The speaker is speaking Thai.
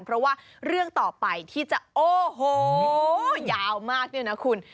เพราะว่าเรื่องต่อไปที่จะโอ้โหยาวมากเนี่ยนะคุณ